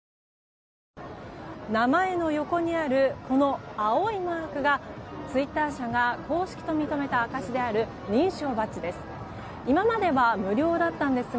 名前の横にあるこの青いマークがツイッター社が公式と認めた証しである認証バッジです。